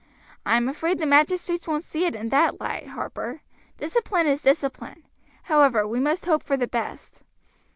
"I'm afraid the magistrates won't see it in that light, Harper; discipline is discipline. However, we must hope for the best."